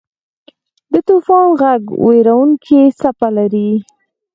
د طوفان ږغ وېرونکې څپه لري.